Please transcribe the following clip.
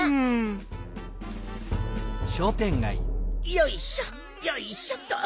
よいしょよいしょっと！